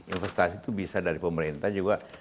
investasi itu bisa dari pemerintah juga